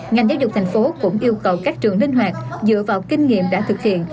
ngành giáo dục thành phố cũng yêu cầu các trường linh hoạt dựa vào kinh nghiệm đã thực hiện